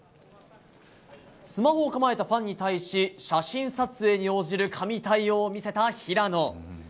スマホを構えたファンに対し写真撮影に応じる神対応を見せた平野。